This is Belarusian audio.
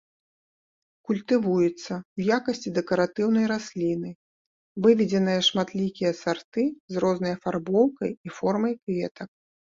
Культывуецца ў якасці дэкаратыўнай расліны, выведзеныя шматлікія сарты з рознай афарбоўкай і формай кветак.